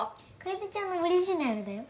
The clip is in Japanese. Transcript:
楓ちゃんのオリジナルだよ。